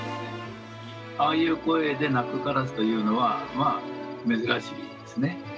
ああいう声で鳴くカラスというのは、珍しいですね。